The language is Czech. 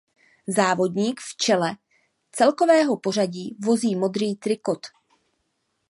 Závodník v čele celkového pořadí vozí modrý trikot.